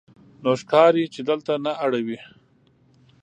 نو ښکاري چې دلته نه اړوې.